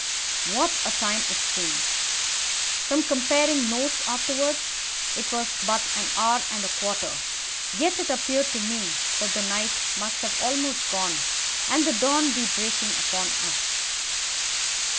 What a time it seemed! From comparing notes afterwards it was but an hour and a quarter, yet it appeared to me that the night must have almost gone, and the dawn be breaking above us.